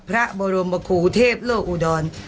พระบรมคูเทพโลกอุดร